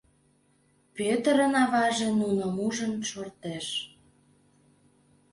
Пӧтырын аваже нуным ужын шортеш: